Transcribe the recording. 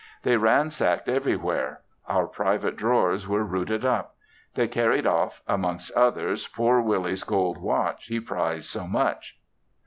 They ransacked everywhere; our private drawers were rooted up. They carried off, amongst others poor Willie's gold watch he prized so much.